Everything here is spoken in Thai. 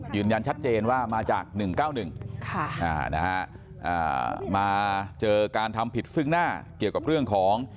ยืนยันชัดเจนว่ามาจาก๑๙๑มาเจอการทำผิดซึ่งหน้าเกี่ยวกับเรื่องของ